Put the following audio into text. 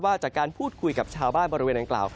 จากการพูดคุยกับชาวบ้านบริเวณอังกล่าว